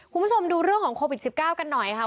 คุณผู้ชมดูเรื่องของโควิด๑๙กันหน่อยค่ะ